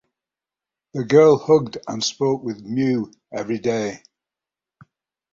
The girl hugged and spoke with Mew every day.